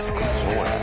これ。